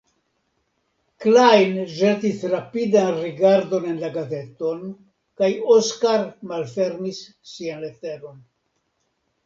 Klajn ĵetis rapidan rigardon en la gazeton kaj Oskar malfermis sian leteron.